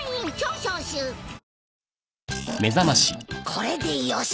これでよし！